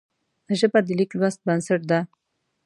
ژبه د لیک لوست بنسټ ده